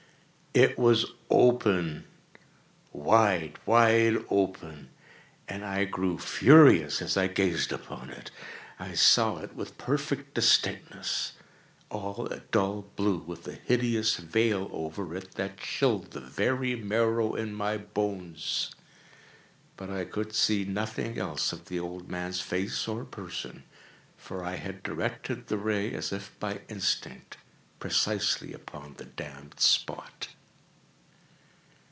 It was open—wide, wide open—and I grew furious as I gazed upon it. I saw it with perfect distinctness—all a dull blue, with a hideous veil over it that chilled the very marrow in my bones; but I could see nothing else of the old man's face or person: for I had directed the ray as if by instinct, precisely upon the damned spot.